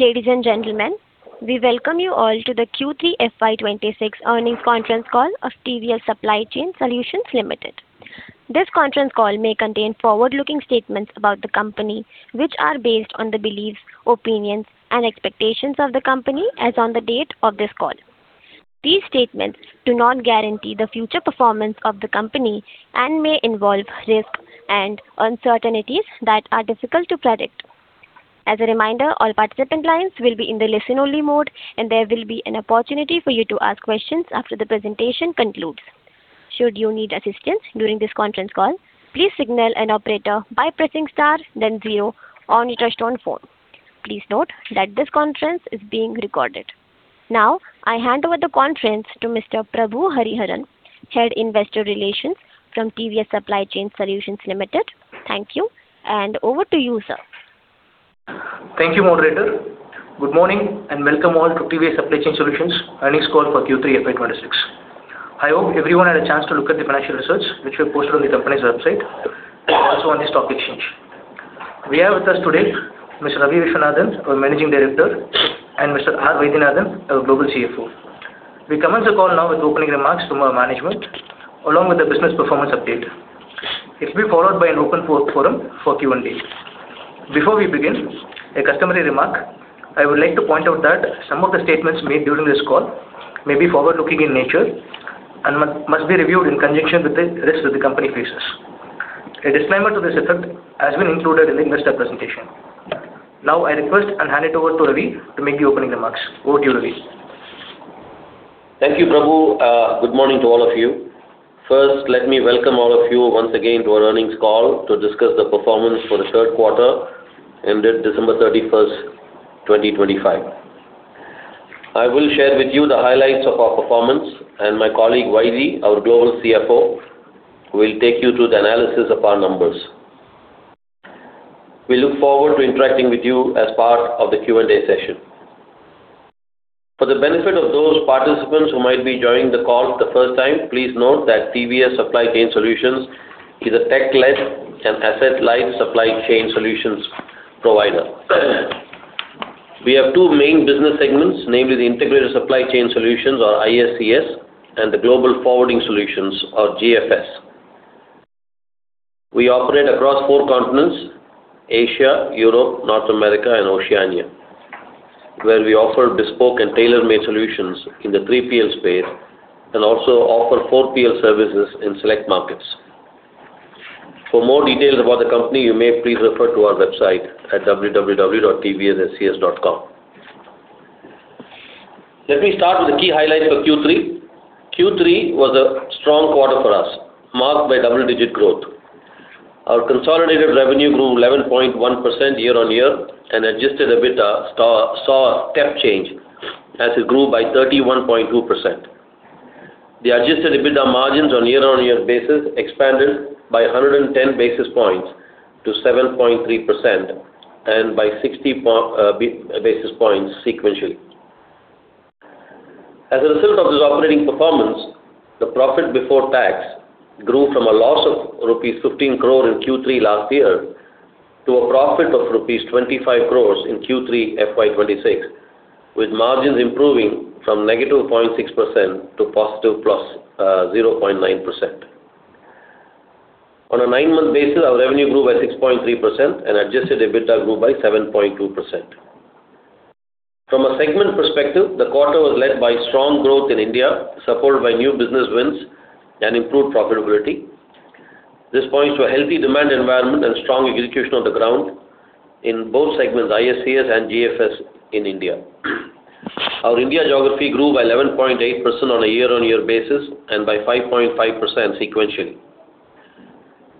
Ladies and gentlemen, we welcome you all to the Q3 FY26 earnings conference call of TVS Supply Chain Solutions Limited. This conference call may contain forward-looking statements about the company, which are based on the beliefs, opinions, and expectations of the company as on the date of this call. These statements do not guarantee the future performance of the company and may involve risk and uncertainties that are difficult to predict. As a reminder, all participant lines will be in the listen-only mode, and there will be an opportunity for you to ask questions after the presentation concludes. Should you need assistance during this conference call, please signal an operator by pressing * then 0 on your touch-tone phone. Please note that this conference is being recorded. Now I hand over the conference to Mr. Prabhu Hariharan, Head Investor Relations from TVS Supply Chain Solutions Limited. Thank you, and over to you, sir. Thank you, Operator. Good morning and welcome all to TVS Supply Chain Solutions' earnings call for Q3 FY26. I hope everyone had a chance to look at the financial results which were posted on the company's website, also on the stock exchange. We have with us today Mr. Ravi Viswanathan, our Managing Director, and Mr. R. Vaidhyanathan, our Global CFO. We commence the call now with opening remarks from our management, along with a business performance update. It will be followed by an open forum for Q&A. Before we begin, a customary remark: I would like to point out that some of the statements made during this call may be forward-looking in nature and must be reviewed in conjunction with the risks that the company faces. A disclaimer to this effect has been included in the investor presentation. Now I request and hand it over to Ravi to make the opening remarks. Over to you, Ravi. Thank you, Prabhu. Good morning to all of you. First, let me welcome all of you once again to our earnings call to discuss the performance for the third quarter, ended December 31st, 2025. I will share with you the highlights of our performance, and my colleague Vaidhyanathan, our Global CFO, will take you through the analysis of our numbers. We look forward to interacting with you as part of the Q&A session. For the benefit of those participants who might be joining the call for the first time, please note that TVS Supply Chain Solutions is a tech-led and asset-led supply chain solutions provider. We have two main business segments, namely the Integrated Supply Chain Solutions, or ISCS, and the Global Forwarding Solutions, or GFS. We operate across four continents: Asia, Europe, North America, and Oceania, where we offer bespoke and tailor-made solutions in the 3PL space and also offer 4PL services in select markets. For more details about the company, you may please refer to our website at www.tvsscs.com. Let me start with the key highlights for Q3. Q3 was a strong quarter for us, marked by double-digit growth. Our consolidated revenue grew 11.1% year-on-year and adjusted EBITDA saw a step change as it grew by 31.2%. The adjusted EBITDA margins on a year-on-year basis expanded by 110 basis points to 7.3% and by 60 basis points sequentially. As a result of this operating performance, the profit before tax grew from a loss of rupees 15 crore in Q3 last year to a profit of rupees 25 crore in Q3 FY26, with margins improving from -0.6% to +0.9%. On a nine-month basis, our revenue grew by 6.3%, and adjusted EBITDA grew by 7.2%. From a segment perspective, the quarter was led by strong growth in India, supported by new business wins and improved profitability. This points to a healthy demand environment and strong execution on the ground in both segments, ISCS and GFS, in India. Our India geography grew by 11.8% on a year-over-year basis and by 5.5% sequentially.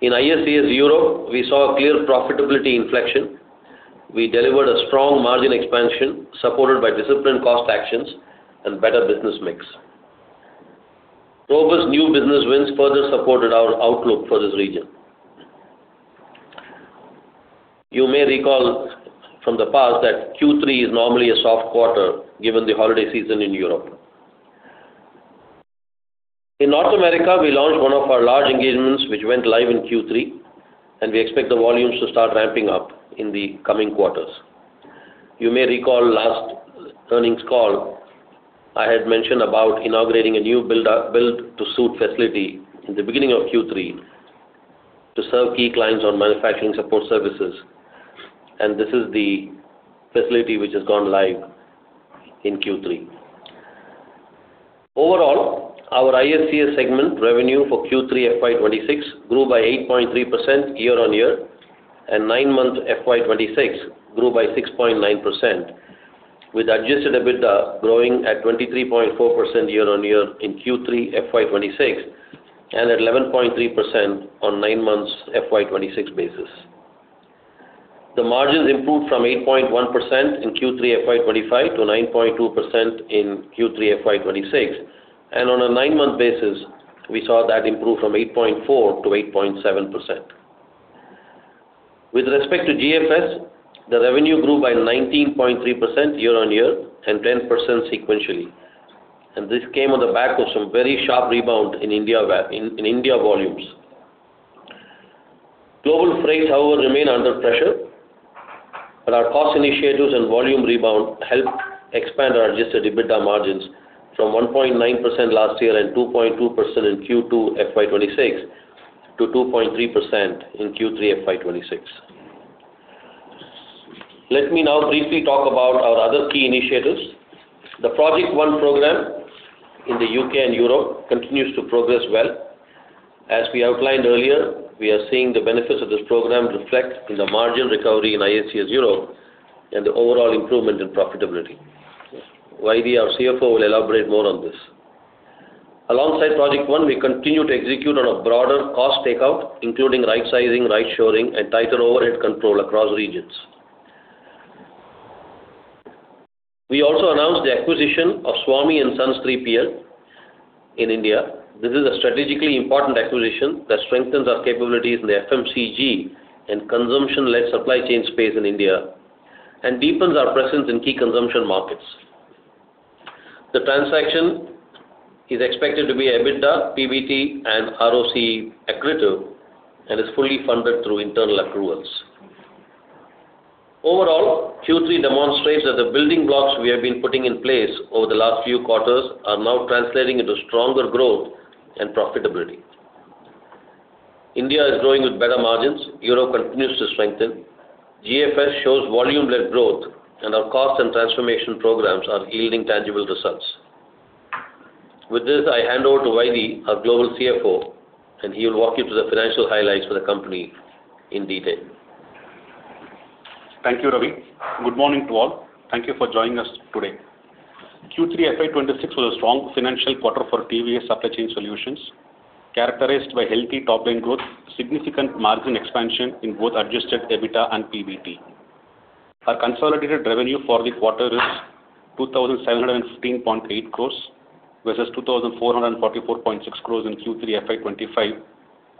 In ISCS Europe, we saw a clear profitability inflection. We delivered a strong margin expansion supported by disciplined cost actions and better business mix. Robust new business wins further supported our outlook for this region. You may recall from the past that Q3 is normally a soft quarter given the holiday season in Europe. In North America, we launched one of our large engagements, which went live in Q3, and we expect the volumes to start ramping up in the coming quarters. You may recall last earnings call, I had mentioned about inaugurating a new build-to-suit facility in the beginning of Q3 to serve key clients on manufacturing support services, and this is the facility which has gone live in Q3. Overall, our ISCS segment revenue for Q3 FY26 grew by 8.3% year-on-year, and nine-month FY26 grew by 6.9%, with Adjusted EBITDA growing at 23.4% year-on-year in Q3 FY26 and at 11.3% on a nine-month FY26 basis. The margins improved from 8.1% in Q3 FY25 to 9.2% in Q3 FY26, and on a nine-month basis, we saw that improve from 8.4% to 8.7%. With respect to GFS, the revenue grew by 19.3% year-on-year and 10% sequentially, and this came on the back of some very sharp rebound in India volumes. Global freights, however, remain under pressure, but our cost initiatives and volume rebound helped expand our Adjusted EBITDA margins from 1.9% last year and 2.2% in Q2 FY 2026 to 2.3% in Q3 FY 2026. Let me now briefly talk about our other key initiatives. The Project One program in the U.K. and Europe continues to progress well. As we outlined earlier, we are seeing the benefits of this program reflect in the margin recovery in ISCS Europe and the overall improvement in profitability. Vaidhy, our CFO, will elaborate more on this. Alongside Project One, we continue to execute on a broader cost takeout, including right-sizing, right-shoring, and tighter overhead control across regions. We also announced the acquisition of Swamy & Sons 3PL in India. This is a strategically important acquisition that strengthens our capabilities in the FMCG and consumption-led supply chain space in India and deepens our presence in key consumption markets. The transaction is expected to be an EBITDA, PBT, and ROC accretive and is fully funded through internal accruals. Overall, Q3 demonstrates that the building blocks we have been putting in place over the last few quarters are now translating into stronger growth and profitability. India is growing with better margins. Europe continues to strengthen. GFS shows volume-led growth, and our cost and transformation programs are yielding tangible results. With this, I hand over to Vaidhy, our Global CFO, and he will walk you through the financial highlights for the company in detail. Thank you, Ravi. Good morning to all. Thank you for joining us today. Q3 FY26 was a strong financial quarter for TVS Supply Chain Solutions, characterized by healthy top-line growth, significant margin expansion in both Adjusted EBITDA and PBT. Our consolidated revenue for the quarter is 2,715.8 crores versus 2,444.6 crores in Q3 FY25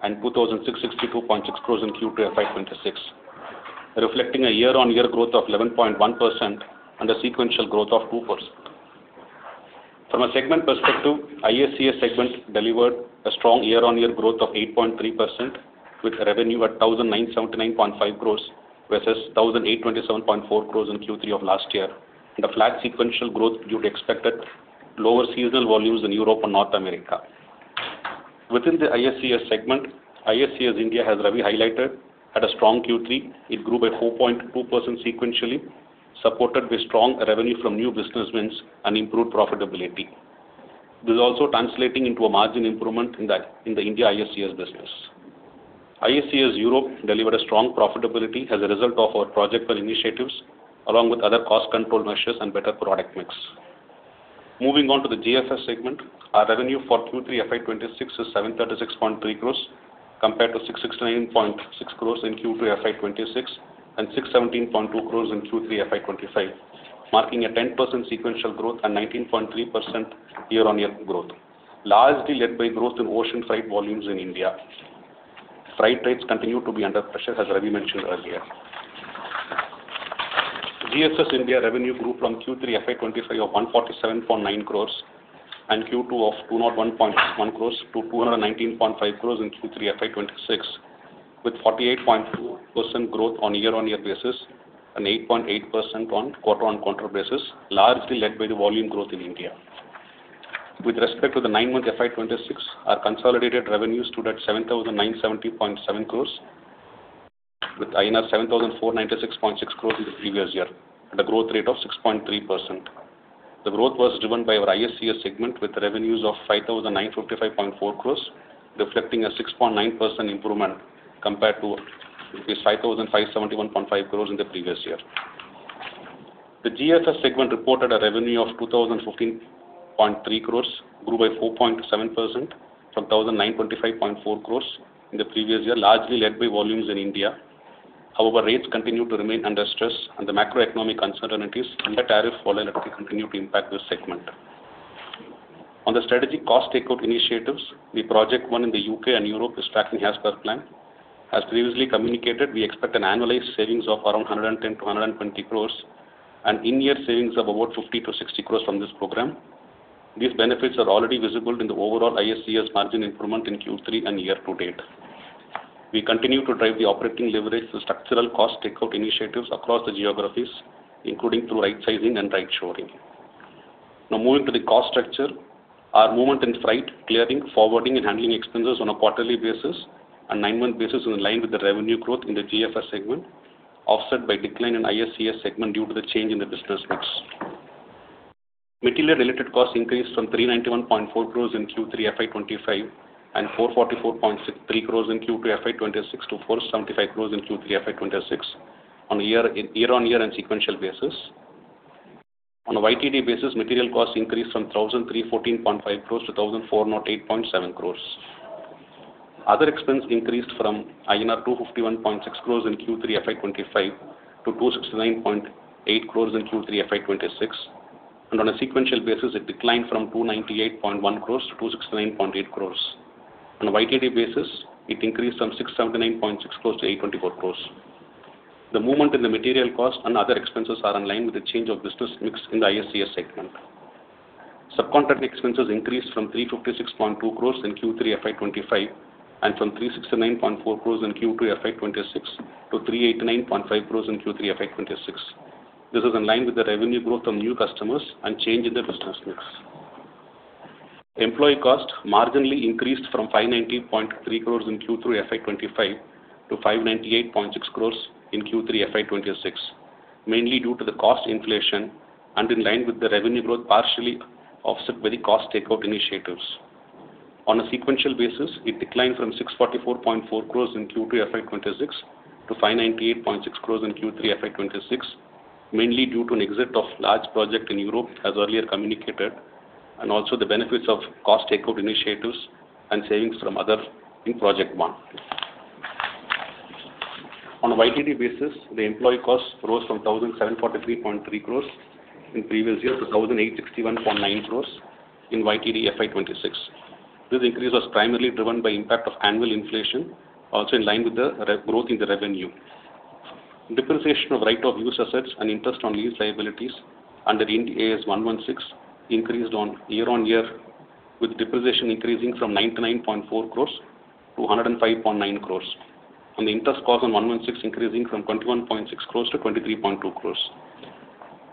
and 2,662.6 crores in Q2 FY26, reflecting a year-on-year growth of 11.1% and a sequential growth of 2%. From a segment perspective, ISCS segment delivered a strong year-on-year growth of 8.3% with revenue at 1,979.5 crores versus 1,827.4 crores in Q3 of last year and a flat sequential growth due to expected lower seasonal volumes in Europe and North America. Within the ISCS segment, ISCS India, as Ravi highlighted, had a strong Q3. It grew by 4.2% sequentially, supported by strong revenue from new business wins and improved profitability. This is also translating into a margin improvement in the India ISCS business. ISCS Europe delivered a strong profitability as a result of our project-wide initiatives, along with other cost-control measures and better product mix. Moving on to the GFS segment, our revenue for Q3 FY26 is 736.3 crores compared to 669.6 crores in Q2 FY26 and 617.2 crores in Q3 FY25, marking a 10% sequential growth and 19.3% year-on-year growth, largely led by growth in ocean freight volumes in India. Freight rates continue to be under pressure, as Ravi mentioned earlier. GFS India revenue grew from Q3 FY25 of 147.9 crores and Q2 of 201.1 crores to 219.5 crores in Q3 FY26, with 48.2% growth on a year-on-year basis and 8.8% on quarter-on-quarter basis, largely led by the volume growth in India. With respect to the nine-month FY2026, our consolidated revenues stood at 7,970.7 crores, with INR 7,496.6 crores in the previous year at a growth rate of 6.3%. The growth was driven by our ISCS segment, with revenues of 5,955.4 crores reflecting a 6.9% improvement compared to 5,571.5 crores in the previous year. The GFS segment reported a revenue of 2,015.3 crores, grew by 4.7% from 1,925.4 crores in the previous year, largely led by volumes in India. However, rates continue to remain under stress, and the macroeconomic uncertainties and tariff volatility continue to impact this segment. On the strategic cost takeout initiatives, the Project One in the U.K. and Europe is tracking as per plan. As previously communicated, we expect an annualized savings of around 110-120 crores and in-year savings of about 50-60 crores from this program. These benefits are already visible in the overall ISCS margin improvement in Q3 and year to date. We continue to drive the operating leverage through structural cost takeout initiatives across the geographies, including through right-sizing and right-shoring. Now, moving to the cost structure, our movement in freight, clearing, forwarding, and handling expenses on a quarterly basis and nine-month basis is in line with the revenue growth in the GFS segment, offset by decline in ISCS segment due to the change in the business mix. Material-related costs increased from 391.4 crores in Q3 FY25 and 444.3 crores in Q2 FY26 to 475 crores in Q3 FY26 on a year-on-year and sequential basis. On a YTD basis, material costs increased from 1,314.5 crores to 1,408.7 crores. Other expenses increased from INR 251.6 crores in Q3 FY25 to 269.8 crores in Q3 FY26, and on a sequential basis, it declined from 298.1 crores to 269.8 crores. On a YTD basis, it increased from 679.6 crores to 824 crores. The movement in the material costs and other expenses are in line with the change of business mix in the ISCS segment. Subcontracting expenses increased from 356.2 crores in Q3 FY25 and from 369.4 crores in Q2 FY26 to 389.5 crores in Q3 FY26. This is in line with the revenue growth from new customers and change in the business mix. Employee costs marginally increased from 590.3 crores in Q3 FY25 to 598.6 crores in Q3 FY26, mainly due to the cost inflation and in line with the revenue growth partially offset by the cost takeout initiatives. On a sequential basis, it declined from 644.4 crores in Q2 FY26 to 598.6 crores in Q3 FY26, mainly due to an exit of large projects in Europe, as earlier communicated, and also the benefits of cost takeout initiatives and savings from others in Project One. On a YTD basis, the employee costs rose from 1,743.3 crores in the previous year to 1,861.9 crores in YTD FY26. This increase was primarily driven by the impact of annual inflation, also in line with the growth in the revenue. Depreciation of right-of-use assets and interest on lease liabilities under Ind AS 116 increased year-on-year, with depreciation increasing from 99.4 crores to 105.9 crores, and the interest cost on Ind AS 116 increasing from 21.6 crores to 23.2 crores.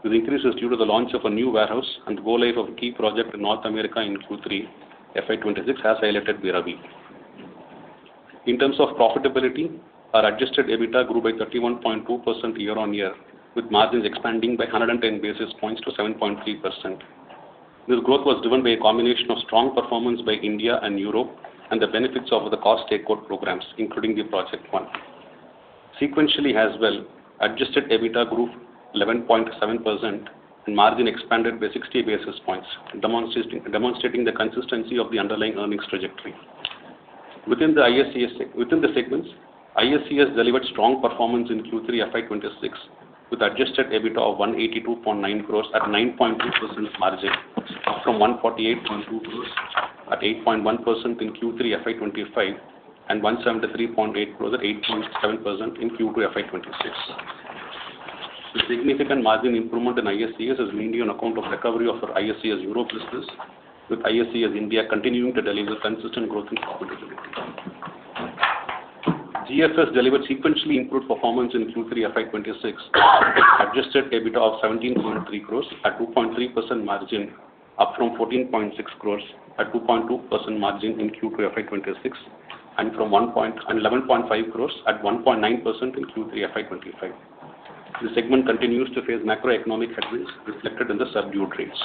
This increase is due to the launch of a new warehouse and the go-live of a key project in North America in Q3 FY26, as highlighted by Ravi. In terms of profitability, our adjusted EBITDA grew by 31.2% year-on-year, with margins expanding by 110 basis points to 7.3%. This growth was driven by a combination of strong performance by India and Europe and the benefits of the cost takeout programs, including the Project One. Sequentially as well, adjusted EBITDA grew 11.7% and margin expanded by 60 basis points, demonstrating the consistency of the underlying earnings trajectory. Within the segments, ISCS delivered strong performance in Q3 FY26 with adjusted EBITDA of 182.9 crore at 9.2% margin, up from 148.2 crore at 8.1% in Q3 FY25, and 173.8 crore at 8.7% in Q2 FY26. This significant margin improvement in ISCS is mainly on account of recovery of our ISCS Europe business, with ISCS India continuing to deliver consistent growth and profitability. GFS delivered sequentially improved performance in Q3 FY26 with adjusted EBITDA of 17.3 crore at 2.3% margin, up from 14.6 crore at 2.2% margin in Q2 FY26, and from 11.5 crore at 1.9% in Q3 FY25. This segment continues to face macroeconomic headwinds reflected in the subdued rates.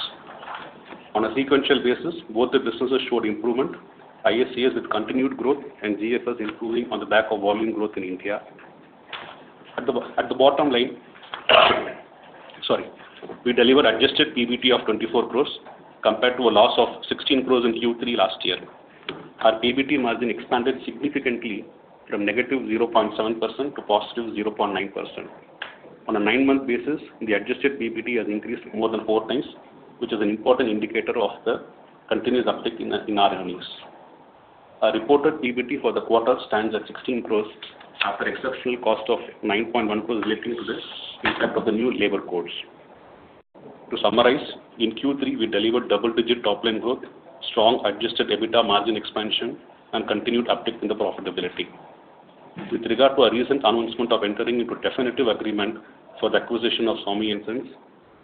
On a sequential basis, both the businesses showed improvement: ISCS with continued growth and GFS improving on the back of volume growth in India. At the bottom line, we delivered adjusted PBT of 24 crore compared to a loss of 16 crore in Q3 last year. Our PBT margin expanded significantly from -0.7% to +0.9%. On a nine-month basis, the adjusted PBT has increased more than four times, which is an important indicator of the continuous uptick in our earnings. Our reported PBT for the quarter stands at 16 crore after the exceptional cost of 9.1 crore relating to the impact of the new labor codes. To summarize, in Q3, we delivered double-digit top-line growth, strong adjusted EBITDA margin expansion, and continued uptick in the profitability. With regard to our recent announcement of entering into a definitive agreement for the acquisition of Swamy & Sons,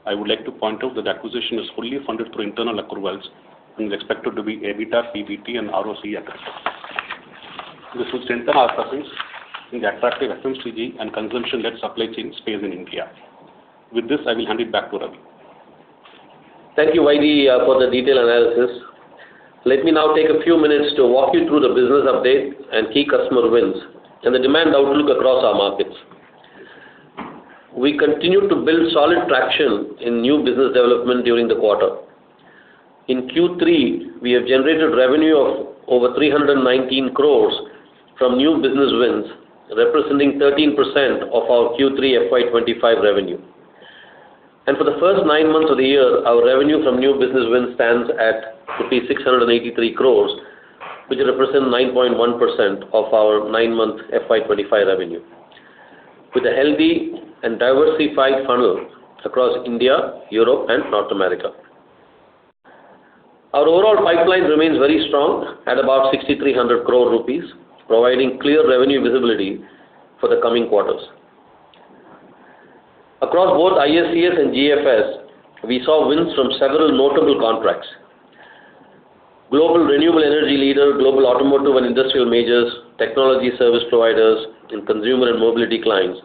I would like to point out that the acquisition is fully funded through internal accruals and is expected to be EBITDA, PBT, and ROC accretive. This will strengthen our presence in the attractive FMCG and consumption-led supply chain space in India. With this, I will hand it back to Ravi. Thank you, Vaidhy, for the detailed analysis. Let me now take a few minutes to walk you through the business update and key customer wins and the demand outlook across our markets. We continue to build solid traction in new business development during the quarter. In Q3, we have generated revenue of over 319 crore from new business wins, representing 13% of our Q3 FY25 revenue. For the first nine months of the year, our revenue from new business wins stands at 683 crore, which represents 9.1% of our nine-month FY25 revenue, with a healthy and diversified funnel across India, Europe, and North America. Our overall pipeline remains very strong at about 6,300 crore rupees, providing clear revenue visibility for the coming quarters. Across both ISCS and GFS, we saw wins from several notable contracts: global renewable energy leader, global automotive and industrial majors, technology service providers, and consumer and mobility clients,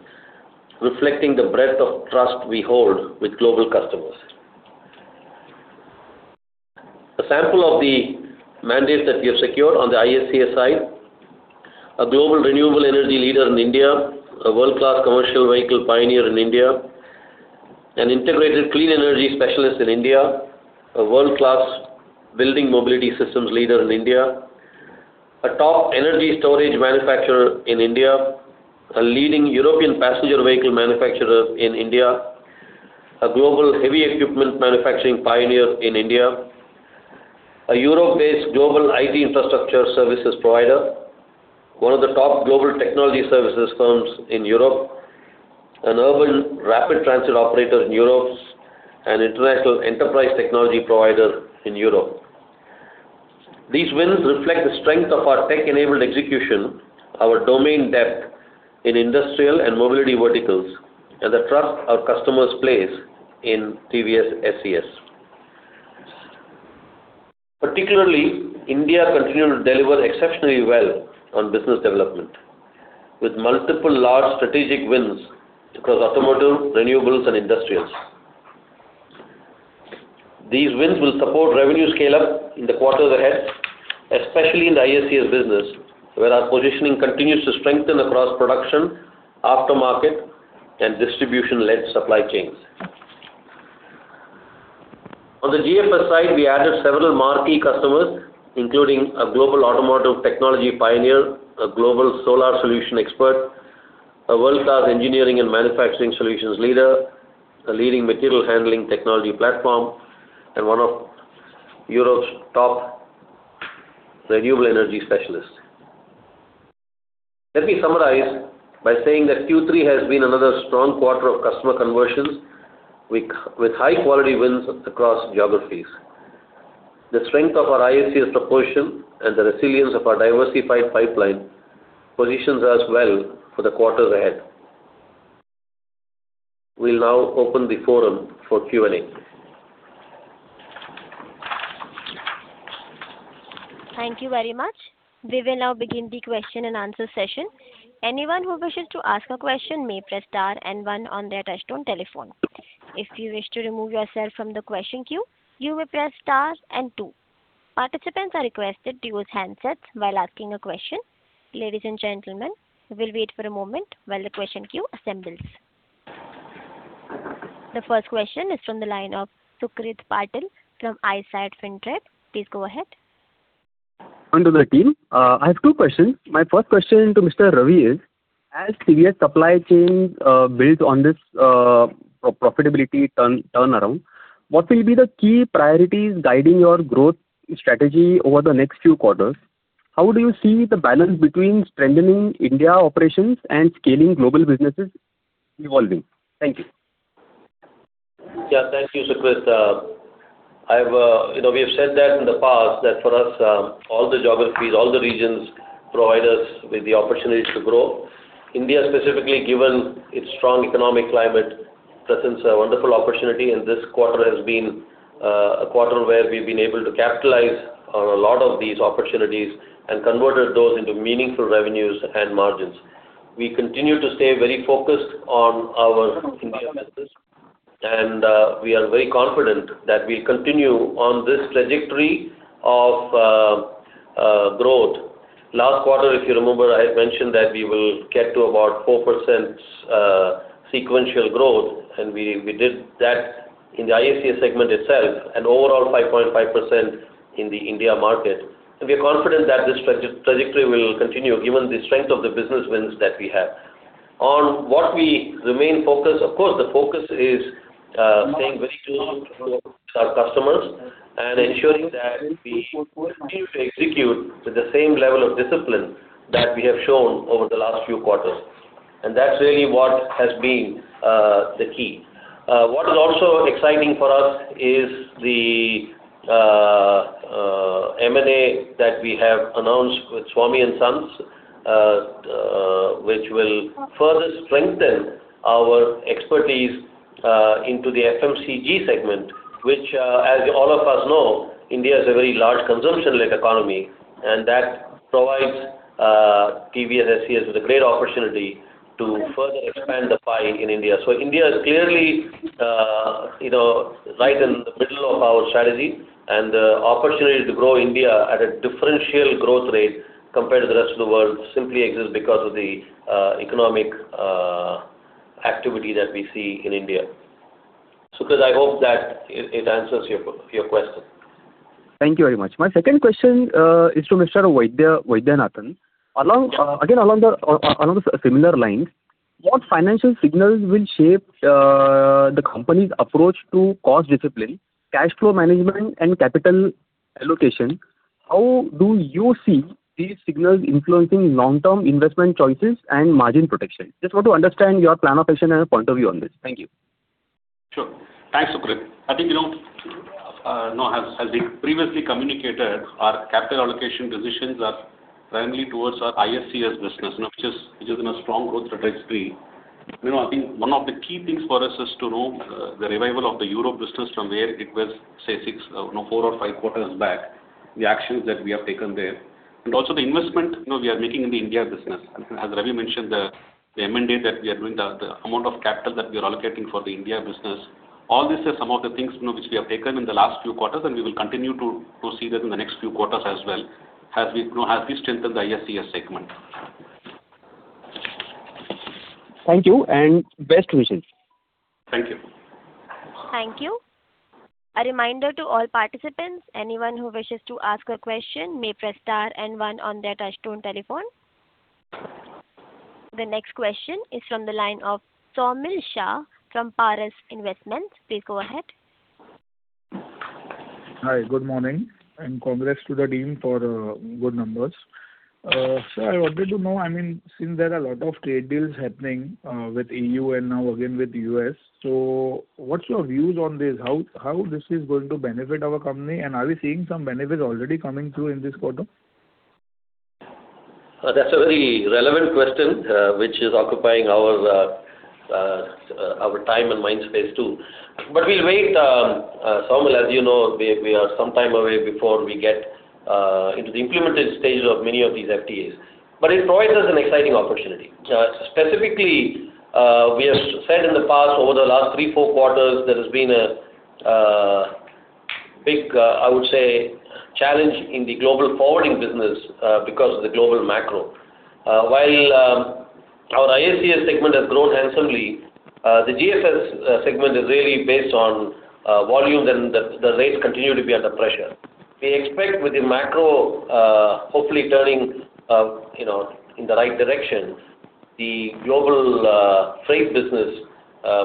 reflecting the breadth of trust we hold with global customers. A sample of the mandates that we have secured on the ISCS side: a global renewable energy leader in India, a world-class commercial vehicle pioneer in India, an integrated clean energy specialist in India, a world-class building mobility systems leader in India, a top energy storage manufacturer in India, a leading European passenger vehicle manufacturer in India, a global heavy equipment manufacturing pioneer in India, a Europe-based global IT infrastructure services provider, one of the top global technology services firms in Europe, an urban rapid transit operator in Europe, and an international enterprise technology provider in Europe. These wins reflect the strength of our tech-enabled execution, our domain depth in industrial and mobility verticals, and the trust our customers place in TVS SCS. Particularly, India continues to deliver exceptionally well on business development, with multiple large strategic wins across automotive, renewables, and industrials. These wins will support revenue scale-up in the quarters ahead, especially in the ISCS business, where our positioning continues to strengthen across production, aftermarket, and distribution-led supply chains. On the GFS side, we added several marquee customers, including a global automotive technology pioneer, a global solar solution expert, a world-class engineering and manufacturing solutions leader, a leading material handling technology platform, and one of Europe's top renewable energy specialists. Let me summarize by saying that Q3 has been another strong quarter of customer conversions, with high-quality wins across geographies. The strength of our ISCS proportion and the resilience of our diversified pipeline positions us well for the quarters ahead. We'll now open the forum for Q&A. Thank you very much. We will now begin the question-and-answer session. Anyone who wishes to ask a question may press star and one on their touch-tone telephone. If you wish to remove yourself from the question queue, you may press star and two. Participants are requested to use handsets while asking a question. Ladies and gentlemen, we'll wait for a moment while the question queue assembles. The first question is from the line of Sucrit Patil from Eyesight Fintrade. Please go ahead. Thank you, Martin. I have two questions. My first question to Mr. Ravi is: as TVS Supply Chain builds on this profitability turnaround, what will be the key priorities guiding your growth strategy over the next few quarters? How do you see the balance between strengthening India operations and scaling global businesses evolving? Thank you. Yeah, thank you, Sucrit. We have said that in the past, that for us, all the geographies, all the regions provide us with the opportunities to grow. India, specifically, given its strong economic climate, presents a wonderful opportunity, and this quarter has been a quarter where we've been able to capitalize on a lot of these opportunities and converted those into meaningful revenues and margins. We continue to stay very focused on our India business, and we are very confident that we'll continue on this trajectory of growth. Last quarter, if you remember, I had mentioned that we will get to about 4% sequential growth, and we did that in the ISCS segment itself, an overall 5.5% in the India market. We are confident that this trajectory will continue given the strength of the business wins that we have. On what we remain focused, of course, the focus is staying very close with our customers and ensuring that we continue to execute with the same level of discipline that we have shown over the last few quarters. That's really what has been the key. What is also exciting for us is the M&A that we have announced with Swamy & Sons, which will further strengthen our expertise into the FMCG segment, which, as all of us know, India is a very large consumption-led economy, and that provides TVS SCS with a great opportunity to further expand the pie in India. India is clearly right in the middle of our strategy, and the opportunity to grow India at a differential growth rate compared to the rest of the world simply exists because of the economic activity that we see in India. Sukrit, I hope that it answers your question. Thank you very much. My second question is to Mr. Vaidhyanathan. Again, along the similar lines, what financial signals will shape the company's approach to cost discipline, cash flow management, and capital allocation? How do you see these signals influencing long-term investment choices and margin protection? Just want to understand your plan of action and a point of view on this. Thank you. Sure. Thanks, Sukrit. I think, as we previously communicated, our capital allocation decisions are primarily towards our ISCS business, which is in a strong growth trajectory. I think one of the key things for us is to know the revival of the Europe business from where it was, say, four or five quarters back, the actions that we have taken there. Also the investment we are making in the India business. As Ravi mentioned, the M&A that we are doing, the amount of capital that we are allocating for the India business, all these are some of the things which we have taken in the last few quarters, and we will continue to see that in the next few quarters as well, as we strengthen the ISCS segment. Thank you, and best wishes. Thank you. Thank you. A reminder to all participants: anyone who wishes to ask a question may press star and one on their touch-tone telephone. The next question is from the line of Somil Shah from Paras Investments. Please go ahead. Hi. Good morning, and congrats to the team for good numbers. Sir, I wanted to know, I mean, since there are a lot of trade deals happening with E.U. and now again with the U.S., so what's your views on this? How this is going to benefit our company, and are we seeing some benefits already coming through in this quarter? That's a very relevant question, which is occupying our time and mind space too. But we'll wait. Somil, as you know, we are some time away before we get into the implemented stage of many of these FTAs. But it provides us an exciting opportunity. Specifically, we have said in the past, over the last 3-4 quarters, there has been a big, I would say, challenge in the global forwarding business because of the global macro. While our ISCS segment has grown handsomely, the GFS segment is really based on volumes, and the rates continue to be under pressure. We expect, with the macro hopefully turning in the right direction, the global freight business,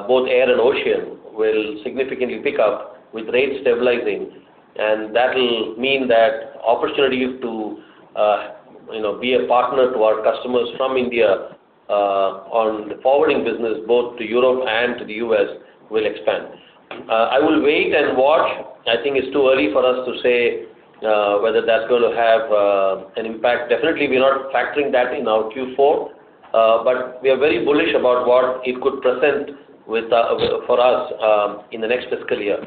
both air and ocean, will significantly pick up with rates stabilizing. And that will mean that opportunities to be a partner to our customers from India on the forwarding business, both to Europe and to the U.S., will expand. I will wait and watch. I think it's too early for us to say whether that's going to have an impact. Definitely, we're not factoring that in our Q4, but we are very bullish about what it could present for us in the next fiscal year.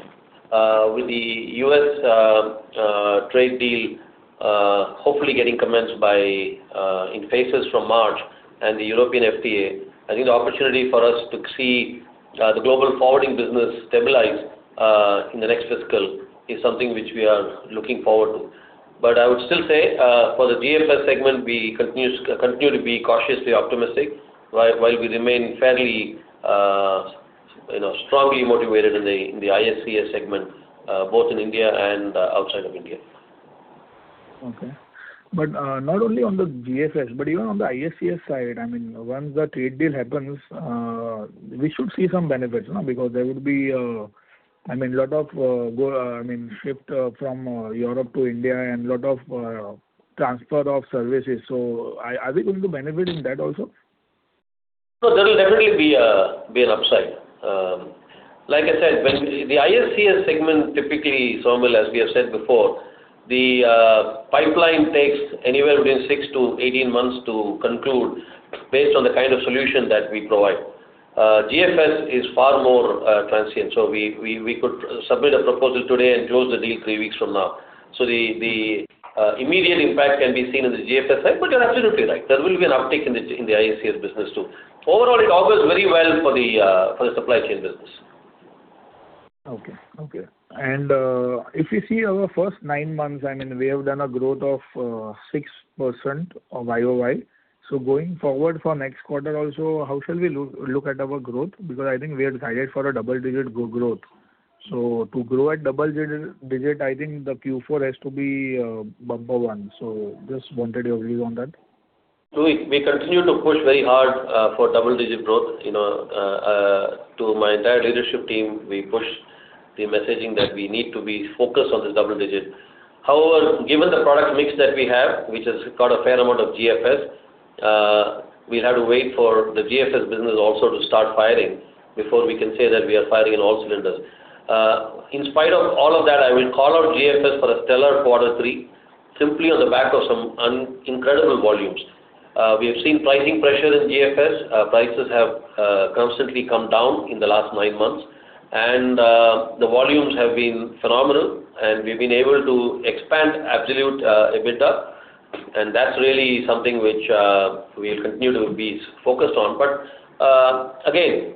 With the U.S. trade deal hopefully getting commenced in phases from March and the European FTA, I think the opportunity for us to see the global forwarding business stabilize in the next fiscal is something which we are looking forward to. But I would still say, for the GFS segment, we continue to be cautiously optimistic while we remain fairly strongly motivated in the ISCS segment, both in India and outside of India. Okay. But not only on the GFS, but even on the ISCS side, I mean, once the trade deal happens, we should see some benefits because there would be, I mean, a lot of, I mean, shift from Europe to India and a lot of transfer of services. So are we going to benefit in that also? No, there will definitely be an upside. Like I said, the ISCS segment, typically, Somil, as we have said before, the pipeline takes anywhere between 6-18 months to conclude based on the kind of solution that we provide. GFS is far more transient. So we could submit a proposal today and close the deal 3 weeks from now. So the immediate impact can be seen in the GFS side, but you're absolutely right. There will be an uptick in the ISCS business too. Overall, it augurs very well for the supply chain business. Okay. Okay. And if we see our first nine months, I mean, we have done a growth of 6% YOY. So going forward for next quarter also, how shall we look at our growth? Because I think we are guided for a double-digit growth. So to grow at double-digit, I think the Q4 has to be bumper one. So just wanted your views on that. We continue to push very hard for double-digit growth. To my entire leadership team, we push the messaging that we need to be focused on this double-digit. However, given the product mix that we have, which has got a fair amount of GFS, we'll have to wait for the GFS business also to start firing before we can say that we are firing in all cylinders. In spite of all of that, I will call out GFS for a stellar quarter three simply on the back of some incredible volumes. We have seen pricing pressure in GFS. Prices have constantly come down in the last nine months, and the volumes have been phenomenal, and we've been able to expand absolute EBITDA. And that's really something which we'll continue to be focused on. But again,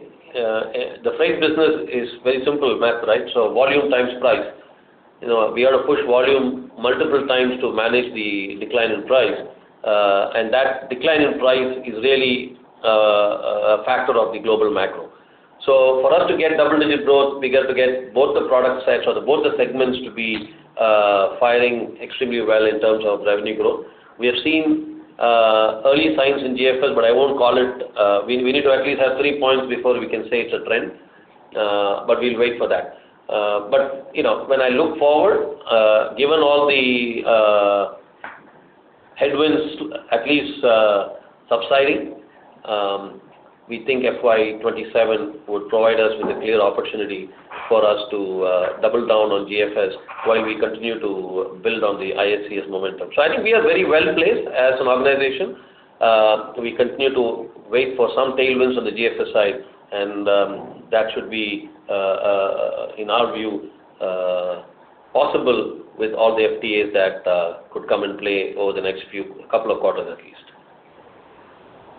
the freight business is very simple math, right? So volume times price. We have to push volume multiple times to manage the decline in price, and that decline in price is really a factor of the global macro. So for us to get double-digit growth, we got to get both the product sets or both the segments to be firing extremely well in terms of revenue growth. We have seen early signs in GFS, but I won't call it we need to at least have 3 points before we can say it's a trend, but we'll wait for that. But when I look forward, given all the headwinds at least subsiding, we think FY27 would provide us with a clear opportunity for us to double down on GFS while we continue to build on the ISCS momentum. So I think we are very well placed as an organization. We continue to wait for some tailwinds on the GFS side, and that should be, in our view, possible with all the FTAs that could come and play over the next couple of quarters at least.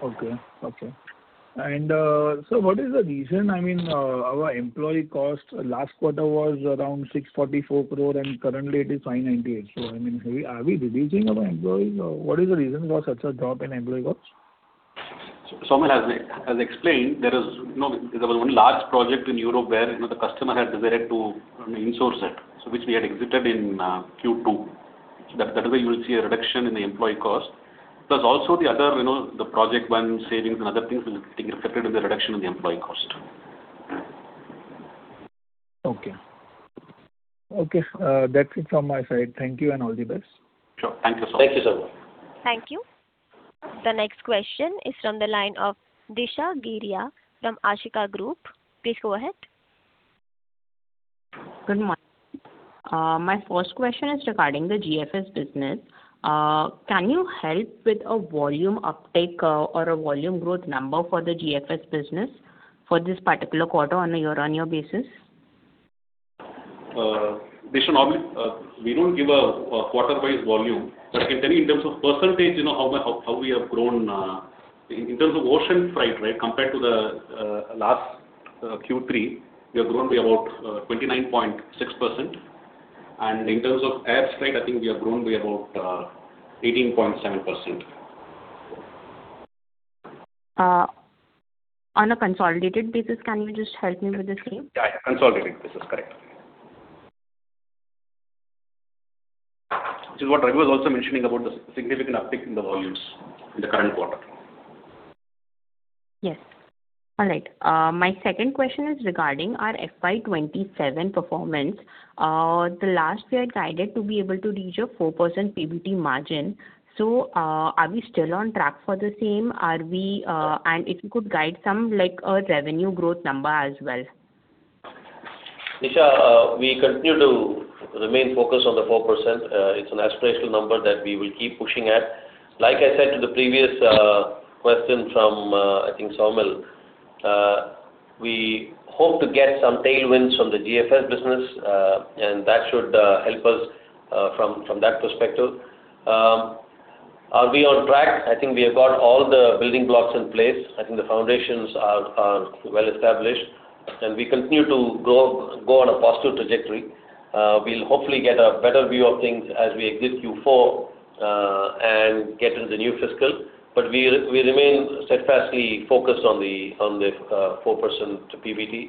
Okay. Okay. And so what is the reason? I mean, our employee cost last quarter was around 644 crore, and currently, it is 598. So I mean, are we reducing our employees? What is the reason for such a drop in employee costs? Somil has explained, there was one large project in Europe where the customer had desired to insource it, which we had exited in Q2. So that is where you will see a reduction in the employee cost. Plus, also, the other Project One savings and other things will be getting reflected in the reduction in the employee cost. Okay. Okay. That's it from my side. Thank you and all the best. Sure. Thank you, Somil. Thank you, Somil. Thank you. The next question is from the line of Disha Giriya from Ashika Group. Please go ahead. Good morning. My first question is regarding the GFS business. Can you help with a volume uptick or a volume growth number for the GFS business for this particular quarter on your basis? Disha, normally, we don't give a quarter-wise volume, but I can tell you in terms of percentage how we have grown. In terms of ocean freight, right, compared to the last Q3, we have grown by about 29.6%. In terms of air freight, I think we have grown by about 18.7%. On a consolidated basis, can you just help me with the same? Yeah, yeah. Consolidated basis, correct. Which is what Ravi was also mentioning about the significant uptick in the volumes in the current quarter. Yes. All right. My second question is regarding our FY27 performance. The last, we are guided to be able to reach a 4% PBT margin. So are we still on track for the same, and if you could guide some revenue growth number as well. Disha, we continue to remain focused on the 4%. It's an aspirational number that we will keep pushing at. Like I said to the previous question from, I think, Somil, we hope to get some tailwinds from the GFS business, and that should help us from that perspective. Are we on track? I think we have got all the building blocks in place. I think the foundations are well established, and we continue to go on a positive trajectory. We'll hopefully get a better view of things as we exit Q4 and get into the new fiscal. But we remain steadfastly focused on the 4% PBT.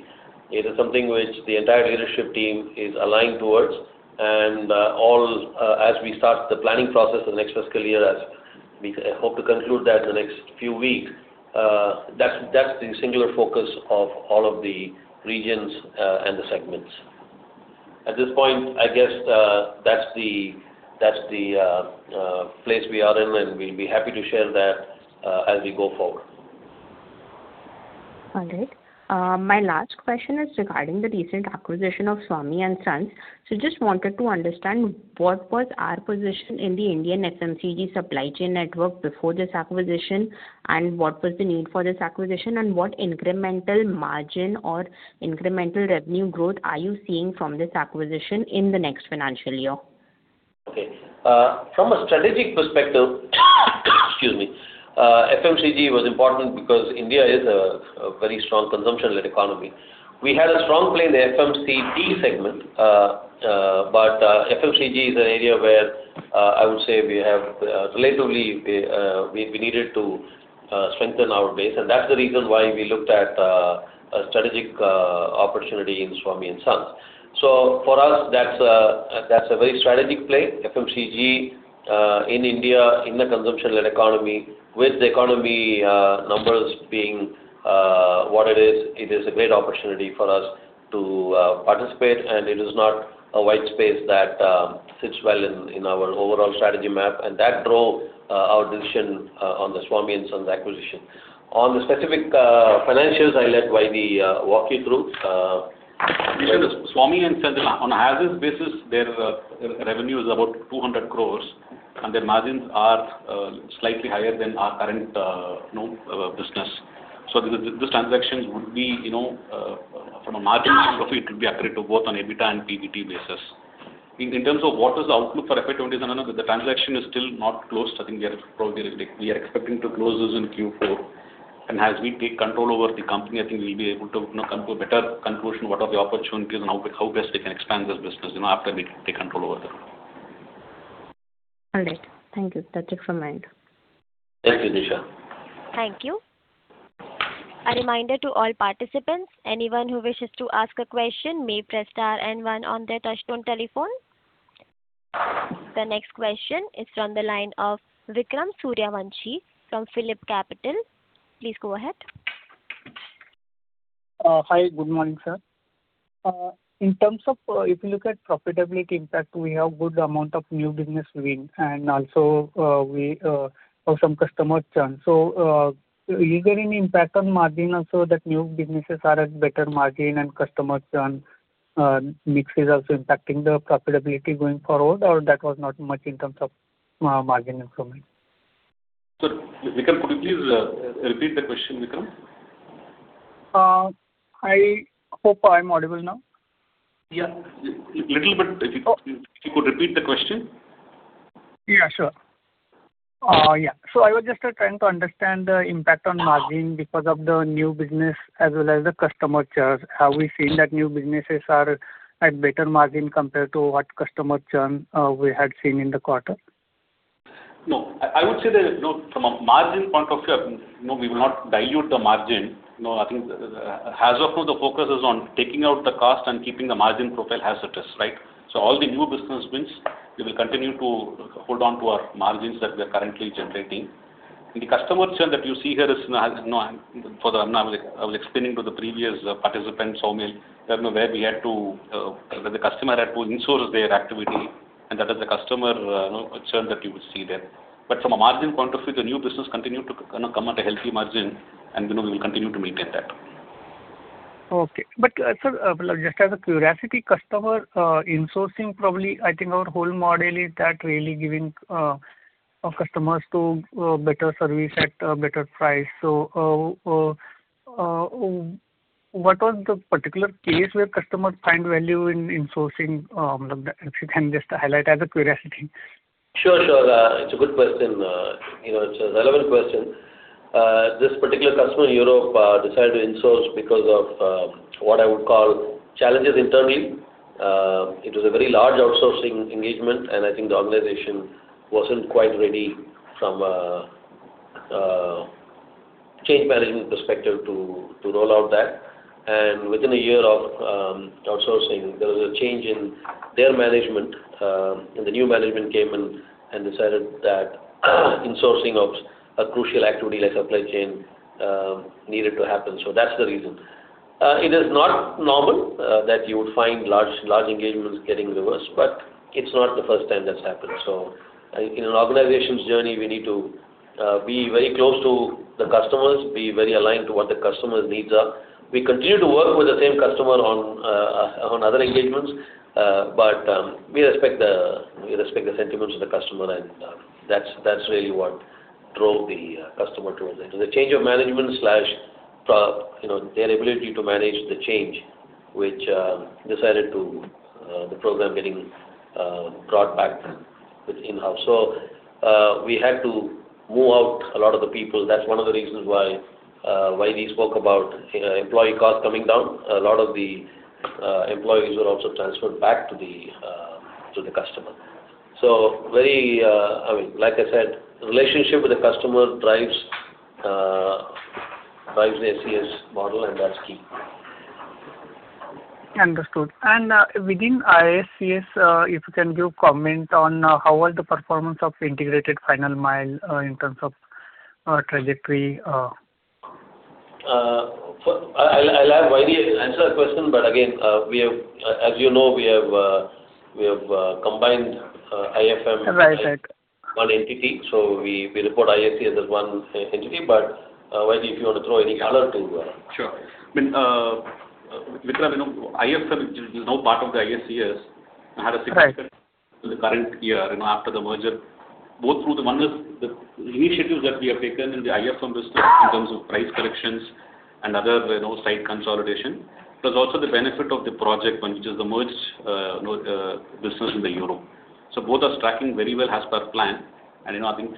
It is something which the entire leadership team is aligned towards. As we start the planning process for the next fiscal year, as we hope to conclude that in the next few weeks, that's the singular focus of all of the regions and the segments. At this point, I guess that's the place we are in, and we'll be happy to share that as we go forward. All right. My last question is regarding the recent acquisition of Swamy & Sons. So just wanted to understand what was our position in the Indian FMCG supply chain network before this acquisition, and what was the need for this acquisition, and what incremental margin or incremental revenue growth are you seeing from this acquisition in the next financial year? Okay. From a strategic perspective, excuse me, FMCG was important because India is a very strong consumption-led economy. We had a strong play in the FMCD segment, but FMCG is an area where, I would say, we have relatively we needed to strengthen our base. And that's the reason why we looked at a strategic opportunity in Swamy & Sons. So for us, that's a very strategic play. FMCG in India, in a consumption-led economy, with the economy numbers being what it is, it is a great opportunity for us to participate, and it is not a white space that sits well in our overall strategy map. And that drove our decision on the Swamy & Sons acquisition. On the specific financials, I'll let Vaidhyanathan walk you through. Disha, Swamy & Sons, on a historical basis, their revenue is about 200 crore, and their margins are slightly higher than our current business. So these transactions would be from a margin standpoint, it would be accretive on both EBITDA and PBT basis. In terms of what is the outlook for FY27, the transaction is still not closed. I think we are probably expecting to close this in Q4. As we take control over the company, I think we'll be able to come to a better conclusion what are the opportunities and how best we can expand this business after we take control over them. All right. Thank you, That's all from me. Thank you, Disha. Thank you. A reminder to all participants, anyone who wishes to ask a question may press star and one on their touch-tone telephone. The next question is from the line of Vikram Suryavanshi from PhilipCapital. Please go ahead. Hi. Good morning, sir. In terms of if you look at profitability impact, we have a good amount of new business winning, and also we have some customer churn. So is there any impact on margin also that new businesses are at better margin and customer churn mix is also impacting the profitability going forward, or that was not much in terms of margin improvement? Sir, Vikram, could you please repeat the question, Vikram? I hope I'm audible now. Yeah. A little bit. If you could repeat the question. Yeah, sure. Yeah. So I was just trying to understand the impact on margin because of the new business as well as the customer churn. Have we seen that new businesses are at better margin compared to what customer churn we had seen in the quarter? No. I would say that from a margin point of view, we will not dilute the margin. I think as of now, the focus is on taking out the cost and keeping the margin profile as is, right? So all the new business wins, we will continue to hold on to our margins that we are currently generating. And the customer churn that you see here is for the one I was explaining to the previous participant, Somil, where the customer had to insource their activity, and that is the customer churn that you will see there. But from a margin point of view, the new business continued to come at a healthy margin, and we will continue to maintain that. Okay. But sir, just as a curiosity, customer insourcing probably I think our whole model is that really giving customers better service at better price. So what was the particular case where customers find value in insourcing? If you can just highlight as a curiosity. Sure, sure. It's a good question. It's a relevant question. This particular customer in Europe decided to insource because of what I would call challenges internally. It was a very large outsourcing engagement, and I think the organization wasn't quite ready from a change management perspective to roll out that. And within a year of outsourcing, there was a change in their management, and the new management came and decided that insourcing of a crucial activity like supply chain needed to happen. So that's the reason. It is not normal that you would find large engagements getting reversed, but it's not the first time that's happened. So in an organization's journey, we need to be very close to the customers, be very aligned to what the customer's needs are. We continue to work with the same customer on other engagements, but we respect the sentiments of the customer, and that's really what drove the customer towards it. It was a change of management, their ability to manage the change, which decided to. The program getting brought back in-house. So we had to move out a lot of the people. That's one of the reasons why we spoke about employee costs coming down. A lot of the employees were also transferred back to the customer. So very, I mean, like I said, relationship with the customer drives the SES model, and that's key. Understood. And within ISCS, if you can give a comment on how was the performance of integrated final mile in terms of trajectory? I'll have Vairi answer the question, but again, as you know, we have combined IFM as one entity. So we report ISCS as one entity. But Vairi, if you want to throw any color to. Sure. I mean, Vikram, IFM is now part of the ISCS and had a significant impact in the current year after the merger. One is the initiatives that we have taken in the IFM business in terms of price corrections and other site consolidation, plus also the benefit of the project, which is the merged business in Europe. So both are tracking very well as per plan. And I think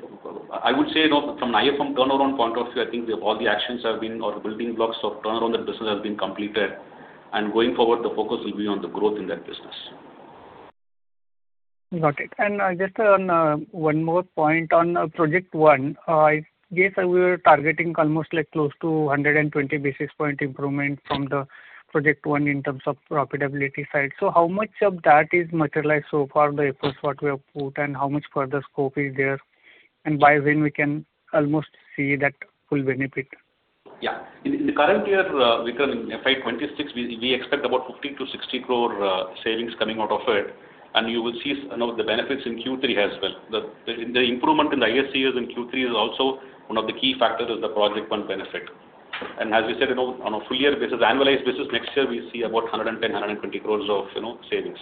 I would say from an IFM turnaround point of view, I think all the actions have been or the building blocks of turnaround that business has been completed. And going forward, the focus will be on the growth in that business. Got it. Just one more point on Project One. I guess we were targeting almost close to 120 basis point improvement from the Project One in terms of profitability side. So how much of that is materialized so far, the efforts what we have put, and how much further scope is there, and by when we can almost see that full benefit? Yeah. In the current year, Vikram, in FY26, we expect about 50-60 crore savings coming out of it, and you will see the benefits in Q3 as well. The improvement in the ISCS in Q3 is also one of the key factors is the Project One benefit. And as we said, on a full-year basis, annualized basis, next year, we see about 110-120 crore of savings.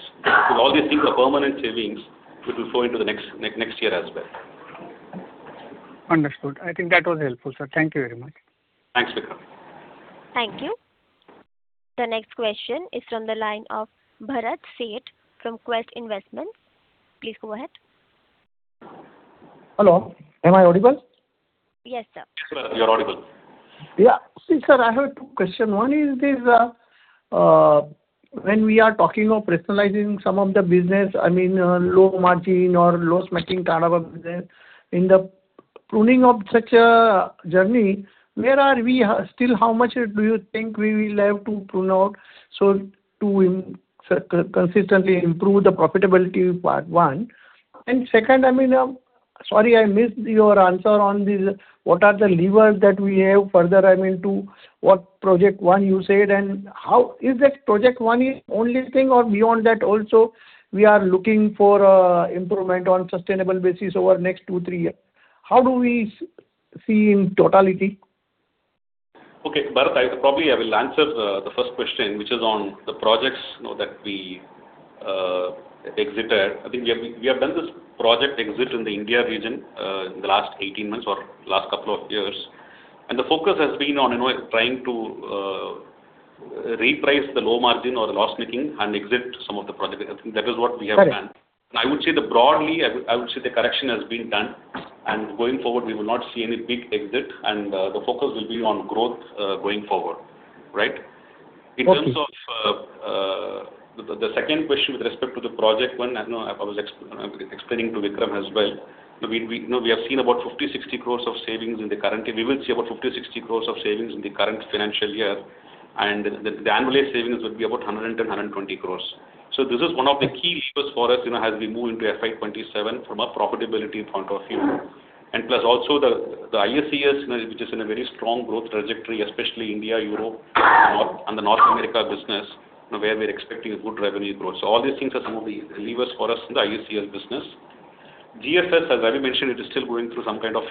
With all these things, the permanent savings, which will flow into the next year as well. Understood. I think that was helpful, sir. Thank you very much. Thanks, Vikram. Thank you. The next question is from the line of Bharat Sheth from Quest Investments. Please go ahead. Hello. Am I audible? Yes, sir. Yes, sir. You're audible. Yeah. See, sir, I have a question. One is this: when we are talking of personalizing some of the business, I mean, low margin or loss-making kind of a business, in the pruning of such a journey, where are we still? How much do you think we will have to prune out to consistently improve the profitability, part one? And second, I mean, sorry, I missed your answer on this: what are the levers that we have further, I mean, to what Project One you said, and is that Project One the only thing, or beyond that, also we are looking for improvement on a sustainable basis over the next two, three years? How do we see in totality? Okay. Bharat, probably I will answer the first question, which is on the projects that we exited. I think we have done this project exit in the India region in the last 18 months or last couple of years. The focus has been on trying to reprice the low margin or loss-making and exit some of the projects. I think that is what we have done. I would say that broadly, the correction has been done. Going forward, we will not see any big exit, and the focus will be on growth going forward, right? In terms of the second question with respect to Project One, I was explaining to Vikram as well. We have seen about 50-60 crore of savings in the current year. We will see about 50-60 crore of savings in the current financial year, and the annualized savings would be about 110-120 crore. So this is one of the key levers for us as we move into FY27 from a profitability point of view. And plus also, the ISCS, which is in a very strong growth trajectory, especially India, Europe, and the North America business, where we're expecting good revenue growth. So all these things are some of the levers for us in the ISCS business. GFS, as Ravi mentioned, it is still going through some kind of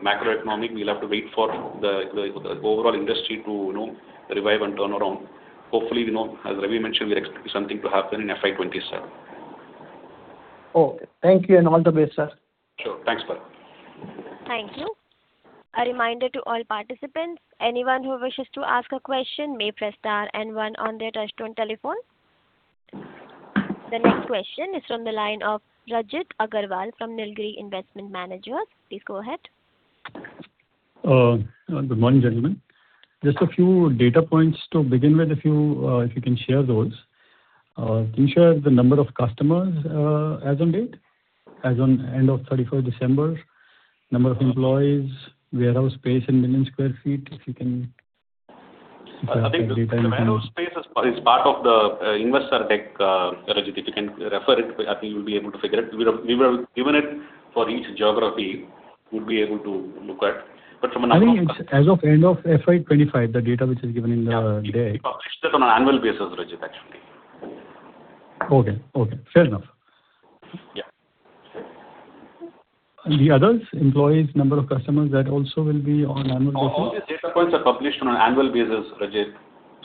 macroeconomic. We'll have to wait for the overall industry to revive and turn around. Hopefully, as Ravi mentioned, we expect something to happen in FY27. Okay. Thank you and all the best, sir. Sure. Thanks, sir. Thank you. A reminder to all participants, anyone who wishes to ask a question may press star and one on their touch-tone telephone. The next question is from the line of Rajit Aggarwal from Nilgiri Investment Managers. Please go ahead. Good morning, gentlemen. Just a few data points to begin with if you can share those. Can you share the number of customers as of date? As of end of 31st December, number of employees, warehouse space in million sq ft, if you can share some data? I think the warehouse space is part of the investor deck, Rajit. If you can refer it, I think you'll be able to figure it. We were given it for each geography. We would be able to look at. But from a number of. I think it's as of end of FY25, the data which is given in the deck. We publish that on an annual basis, Rajit, actually. Okay. Okay. Fair enough. Yeah. The others, employees, number of customers, that also will be on an annual basis? All these data points are published on an annual basis, Rajit.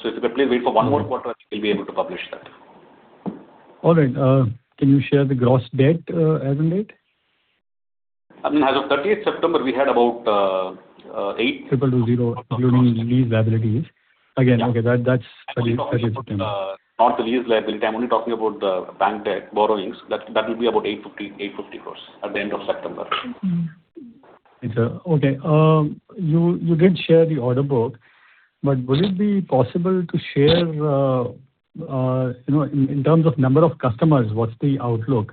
So if you could please wait for one more quarter, I think we'll be able to publish that. All right. Can you share the gross debt as of date? I mean, as of 30th September, we had about eight. 220, including lease liabilities. Again, okay, that's 30th September. Not the lease liability. I'm only talking about the bank debt borrowings. That will be about 850 crore at the end of September. Okay. You did share the order book, but would it be possible to share in terms of number of customers, what's the outlook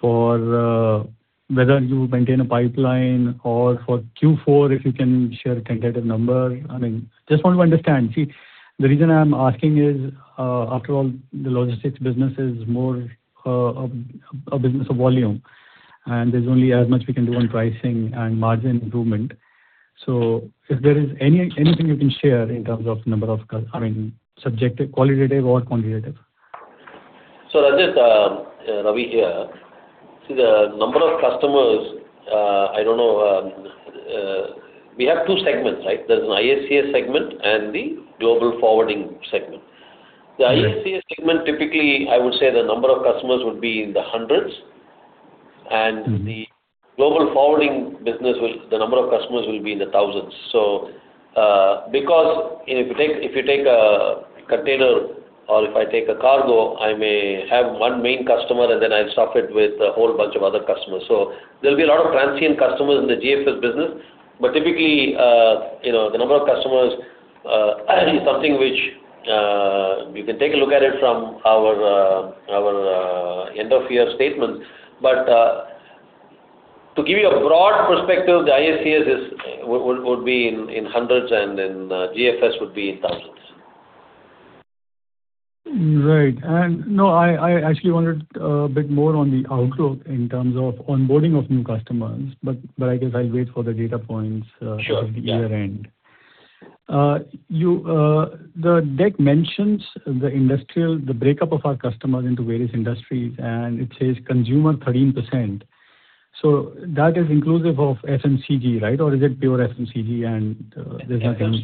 for whether you maintain a pipeline or for Q4, if you can share a tentative number? I mean, I just want to understand. See, the reason I'm asking is, after all, the logistics business is more a business of volume, and there's only as much we can do on pricing and margin improvement. So if there is anything you can share in terms of number of, I mean, subjective, qualitative, or quantitative? So, Rajit, Ravi here. See, the number of customers, I don't know. We have two segments, right? There's an ISCS segment and the global forwarding segment. The ISCS segment, typically, I would say the number of customers would be in the hundreds, and the global forwarding business, the number of customers will be in the thousands. So because if you take a container or if I take a cargo, I may have one main customer, and then I'll stuff it with a whole bunch of other customers. So there'll be a lot of transient customers in the GFS business. But typically, the number of customers is something which you can take a look at it from our end-of-year statements. But to give you a broad perspective, the ISCS would be in hundreds, and then GFS would be in thousands. Right. No, I actually wondered a bit more on the outlook in terms of onboarding of new customers, but I guess I'll wait for the data points at the year-end. The deck mentions the breakup of our customers into various industries, and it says consumer 13%. So that is inclusive of FMCG, right? Or is it pure FMCG, and there's nothing else?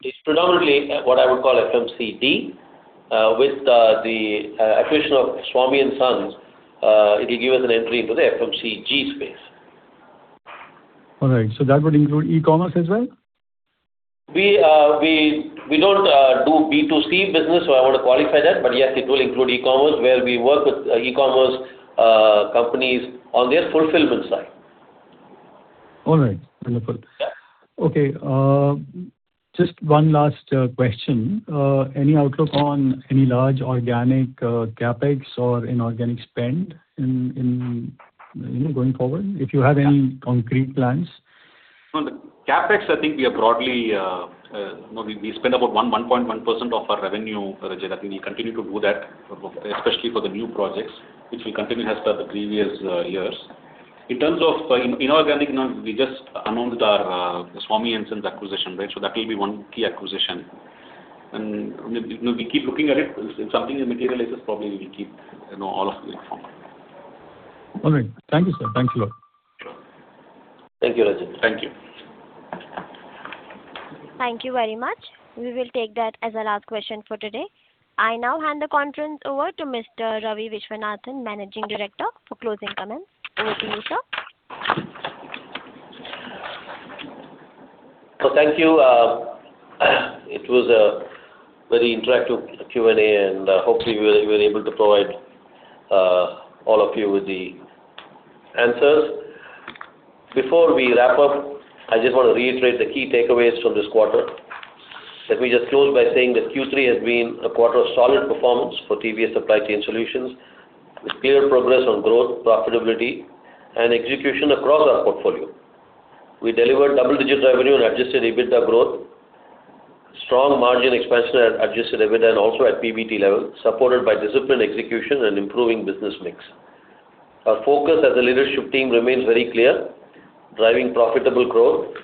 It's predominantly what I would call FMCD. With the acquisition of Swamy & Sons, it will give us an entry into the FMCG space. All right. So that would include e-commerce as well? We don't do B2C business, so I want to qualify that. But yes, it will include e-commerce where we work with e-commerce companies on their fulfillment side. All right. Wonderful. Okay. Just one last question. Any outlook on any large organic CapEx or inorganic spend going forward, if you have any concrete plans? On the CapEx, I think we broadly spend about 1.1% of our revenue, Rajit. I think we'll continue to do that, especially for the new projects, which will continue as per the previous years. In terms of inorganic, we just announced our Swamy & Sons acquisition, right? So that will be one key acquisition. And we keep looking at it. If something materializes, probably we will keep all of the information. All right. Thank you, sir. Thanks a lot. Thank you, Rajit. Thank you. Thank you very much. We will take that as a last question for today. I now hand the conference over to Mr. Ravi Viswanathan, Managing Director, for closing comments. Over to you, sir. Thank you. It was a very interactive Q&A, and hopefully, we were able to provide all of you with the answers. Before we wrap up, I just want to reiterate the key takeaways from this quarter. Let me just close by saying that Q3 has been a quarter of solid performance for TVS Supply Chain Solutions with clear progress on growth, profitability, and execution across our portfolio. We delivered double-digit revenue and Adjusted EBITDA growth, strong margin expansion at Adjusted EBITDA and also at PBT level, supported by disciplined execution and improving business mix. Our focus as a leadership team remains very clear: driving profitable growth,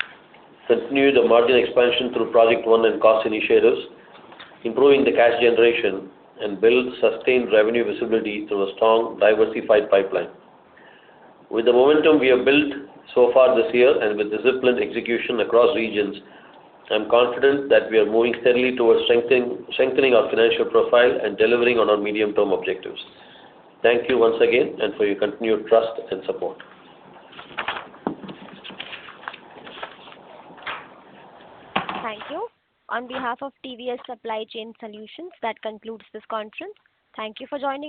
continue the margin expansion through Project One and cost initiatives, improving the cash generation, and build sustained revenue visibility through a strong, diversified pipeline. With the momentum we have built so far this year and with disciplined execution across regions, I'm confident that we are moving steadily towards strengthening our financial profile and delivering on our medium-term objectives. Thank you once again and for your continued trust and support. Thank you. On behalf of TVS Supply Chain Solutions, that concludes this conference. Thank you for joining.